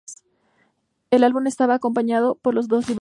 El álbum estaba acompañó por dos libretos.